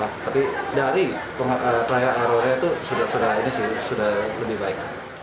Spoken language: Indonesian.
penggunaan listrik ini sudah lebih baik